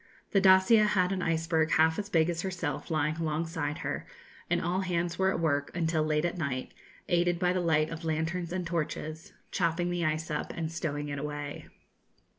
The 'Dacia' had an iceberg half as big as herself lying alongside her, and all hands were at work until late at night, aided by the light of lanterns and torches, chopping the ice up and stowing it away.